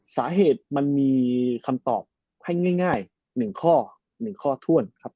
สาเหตุมันมีคำตอบให้ง่าย๑ข้อ๑ข้อถ้วนครับ